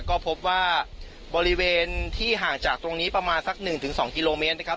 ก็พบว่าบริเวณที่ห่างจากตรงนี้ประมาณสัก๑๒กิโลเมตรนะครับ